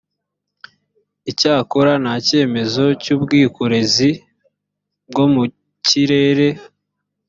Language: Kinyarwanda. icyakora nta cyemezo cy ubwikorezi bwo mu kirere